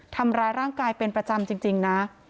ทำร้ายร่างกายเป็นประจำจริงนะ